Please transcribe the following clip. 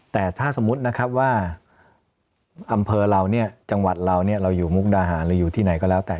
แต่ถ้าสมมุตินะครับว่าอำเภอเราเนี่ยจังหวัดเราเราอยู่มุกดาหารหรืออยู่ที่ไหนก็แล้วแต่